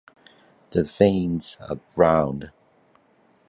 The veins are brown.